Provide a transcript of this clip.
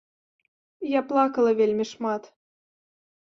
Я плакала вельмі шмат.